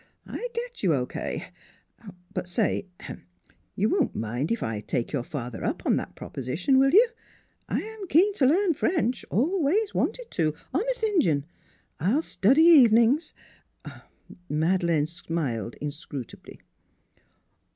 I get you O.K. But say You won't mind if I take your father up on that proposition, will you? I I'm keen to learn French. Always wanted to; honest Injun, I'll study evenings, an' " Madeleine smiled inscrutably.